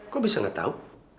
kok bisa nggak tahu